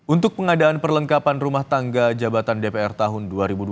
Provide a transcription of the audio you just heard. untuk pengadaan perlengkapan rumah tangga jabatan dpr tahun dua ribu dua puluh